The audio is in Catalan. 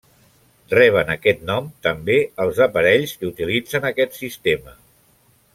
Reben aquest nom també, els aparells que utilitzen aquest sistema.